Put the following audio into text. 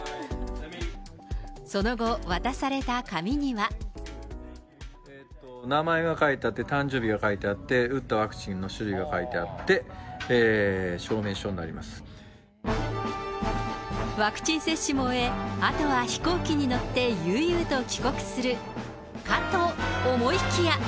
その後、渡された紙には。名前が書いてあって、誕生日が書いてあって、打ったワクチンの種類が書いてあって、ワクチン接種も終え、あとは飛行機に乗って悠々と帰国するかと思いきや。